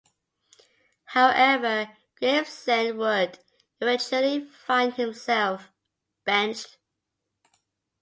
However, Gravesen would eventually find himself benched.